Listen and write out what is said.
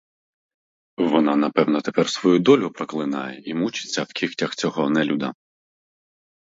Вона певно тепер свою долю проклинає й мучиться в кігтях цього нелюда.